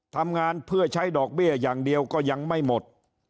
ทำงานเพื่อใช้ดอกเบี้ยอย่างเดียวก็ยังไม่หมด